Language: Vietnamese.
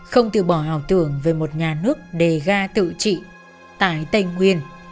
không từ bỏ hảo tưởng về một nhà nước đề ga tự trị tại tây nguyên